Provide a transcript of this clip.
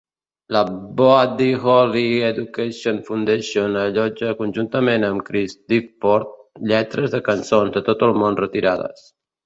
La Buddy Holly Educational Foundation allotja conjuntament amb Chris Difford, lletres de cançons de tot el món retirades.